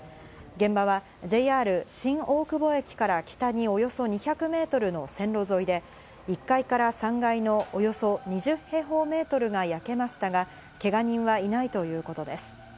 現場はＪＲ新大久保駅から北におよそ２００メートルの線路沿いで、１階から３階のおよそ２０平方メートルが焼けましたが、けが人はいないということです。